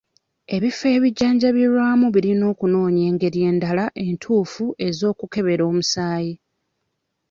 Ebifo ebijjanjabirwamu birina okunoonya engeri endala entuufu ez'okukebera omusaayi.